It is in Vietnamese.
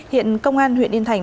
hiện công an huyện yên thành